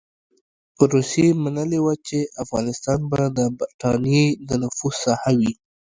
روسيې منلې وه چې افغانستان به د برټانیې د نفوذ ساحه وي.